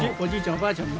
おばあちゃんまで。